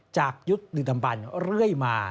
จากยุคฤดัมบันเรื่อยมา